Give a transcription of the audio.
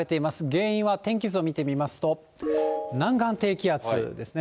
原因は天気図を見てみますと、南岸低気圧ですね。